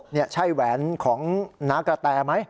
เนี่ยใช่แหวนของนาตาแกะแม้